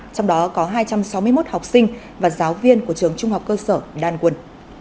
trong đó có hai trăm sáu mươi một học sinh và giáo viên của trường trung học cơ sở đan quân